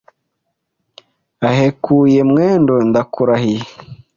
Ahekuye Mwendo ndakurahiye